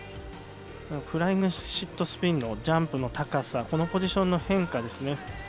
フライングシットスピンのジャンプの高さ、このポジションの変化ですね。